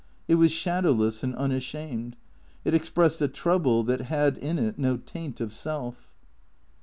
It was shadowless and unashamed ; it expressed a trouble that had in it no taint of self.